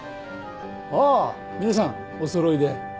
あ皆さんおそろいで。